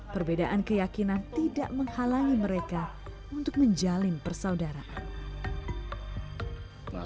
perbedaan keyakinan tidak menghalangi mereka untuk menjalin persaudaraan